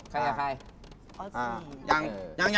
ใครอ่ะใคร